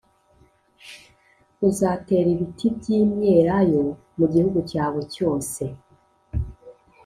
uzatera ibiti by’imyelayo mu gihugu cyawe cyose,